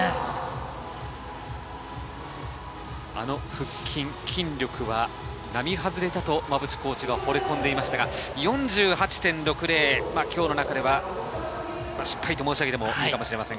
あの腹筋、筋力は並外れていると馬淵コーチがほれ込んでいましたが、今日の中では失敗と申し上げてもいいかもしれません。